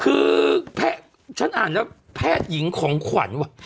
คือแพทย์ฉันอ่านสิว่าแพทย์หญิงของขวัญว่ะ